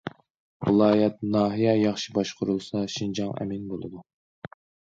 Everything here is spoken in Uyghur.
ۋىلايەت، ناھىيە ياخشى باشقۇرۇلسا، شىنجاڭ ئەمىن بولىدۇ.